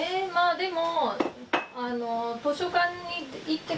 でも。